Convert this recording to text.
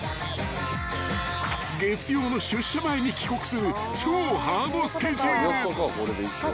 月曜の出社前に帰国する超ハードスケジュール］